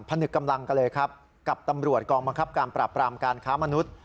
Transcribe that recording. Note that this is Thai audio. นึกกำลังกันเลยครับกับตำรวจกองบังคับการปราบปรามการค้ามนุษย์